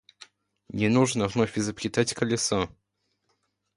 Не нужно вновь изобретать колесо.